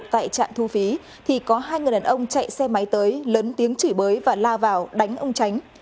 tại trạm thu phí thì có hai người đàn ông chạy xe máy tới lấn tiếng chửi bới và la vào đánh ông tránh